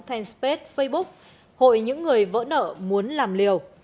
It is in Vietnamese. facebook hội những người vỡ nợ muốn làm liều